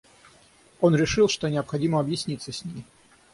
Он решил, что необходимо объясниться с ней.